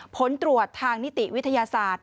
ผลตรวจทางนิติวิทยาศาสตร์